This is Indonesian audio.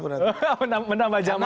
menambah jamaah yang mana